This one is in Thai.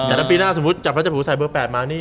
แต่ถ้าปีหน้าสมมุติจับพระเจ้าหูใส่เบอร์๘มานี่